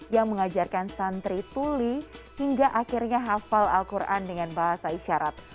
yang mengajarkan santri tuli hingga akhirnya hafal al quran dengan bahasa isyarat